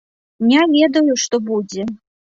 Не ведаю, што будзе.